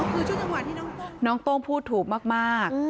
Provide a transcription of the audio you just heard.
คือช่วงจังหวะที่น้องโต้งพูดถูกมาก